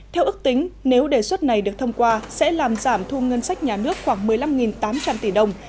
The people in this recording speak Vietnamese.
theo ước tính nếu đề xuất này được thông qua sẽ làm giảm thu ngân sách nhà nước khoảng một mươi năm tám trăm linh tỷ đồng